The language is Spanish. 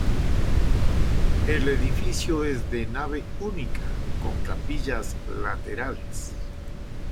El edificio es de nave única con capillas laterales.